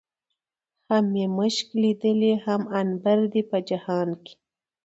هم مې مښک ليدلي، هم عنبر دي په جهان کې